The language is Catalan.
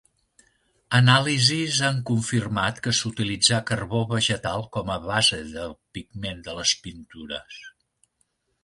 Anàlisis han confirmat que s'utilitzà carbó vegetal com a base del pigment de les pintures.